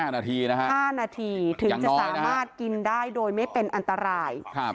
๕นาทีนะฮะ๕นาทีถึงจะสามารถกินได้โดยไม่เป็นอันตราย